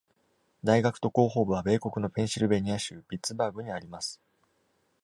大学と広報部は、米国のペンシルベニア州ピッツバーグにあります。